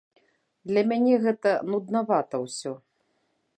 Для мяне гэта нуднавата ўсё.